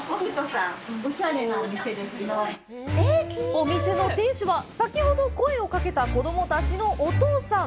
お店の店主は、先ほど声をかけた子供たちのお父さん。